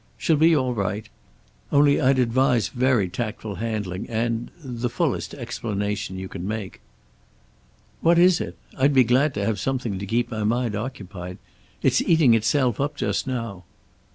"She'll be all right. Only I'd advise very tactful handling and the fullest explanation you can make." "What is it? I'd be glad to have something to keep my mind occupied. It's eating itself up just now."